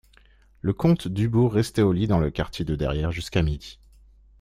Le comte Dubourg restait au lit dans le quartier de derrière jusqu'à midi.